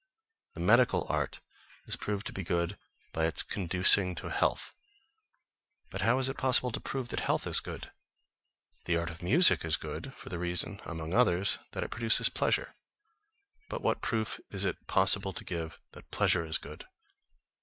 The medical art is proved to be good by its conducing to health; but how is it possible to prove that health is good? The art of music is good, for the reason, among others, that it produces pleasure; but what proof is it possible to give that pleasure is good?